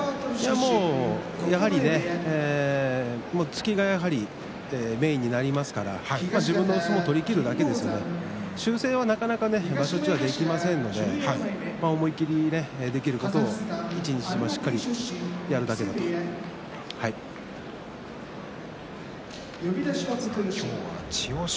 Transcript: やはり突きがメインになりますから自分の相撲を取りきるだけですから修正はなかなか場所中はできませんので思いっきりできる型を一日しっかり今日は千代翔